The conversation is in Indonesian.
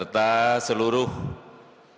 dan seluruh kota